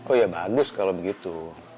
oh ya bagus kalau begitu